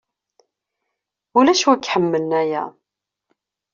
Ulac win iḥemmlen aya.